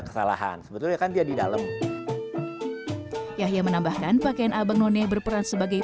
kesalahan sebetulnya kan dia di dalam yahya menambahkan pakaian abang none berperan sebagai